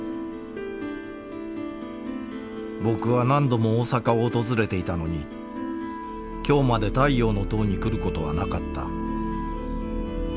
僕は何度も大阪を訪れていたのに今日まで太陽の塔に来ることはなかった